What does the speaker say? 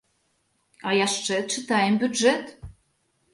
А яшчэ чытаем бюджэт!